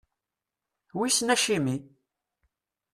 Wissen acimi?